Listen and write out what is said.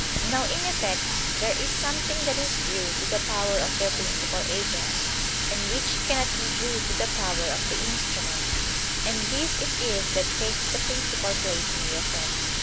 Now in effects there is something that is due to the power of their principal agents, and which cannot be due to the power of the instrument; and this it is that takes the principal place in the effect.